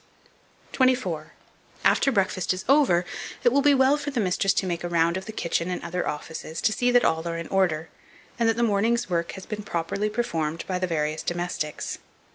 24. AFTER BREAKFAST IS OVER, it will be well for the mistress to make a round of the kitchen and other offices, to see that all are in order, and that the morning's work has been properly performed by the various domestics.